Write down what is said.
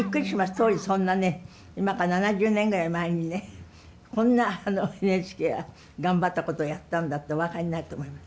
当時そんなね今から７０年ぐらい前にねこんなＮＨＫは頑張ったことをやったんだってお分かりになると思います。